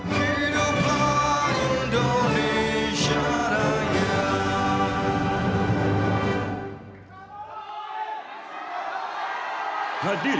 tanahku negeriku yang ku cinta